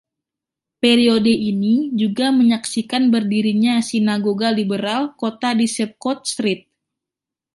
Periode ini juga menyaksikan berdirinya sinagoga Liberal kota di Sheepcote Street.